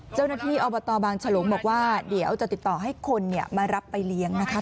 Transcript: เจ้าหน้าที่อบตบางฉลงบอกว่าเดี๋ยวจะติดต่อให้คนมารับไปเลี้ยงนะคะ